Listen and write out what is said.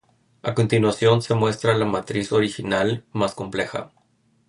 A continuación se muestra la matriz original, más compleja.